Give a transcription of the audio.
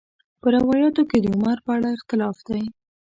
په روایاتو کې د عمر په اړه اختلاف دی.